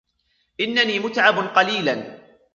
إنني متعب قليلاً.